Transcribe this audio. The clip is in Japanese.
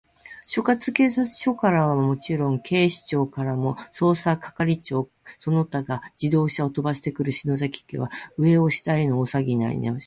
所轄警察署からはもちろん、警視庁からも、捜査係長その他が自動車をとばしてくる、篠崎家は、上を下への大さわぎになりました。